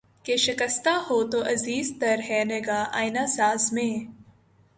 کہ شکستہ ہو تو عزیز تر ہے نگاہ آئنہ ساز میں